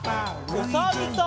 おさるさん。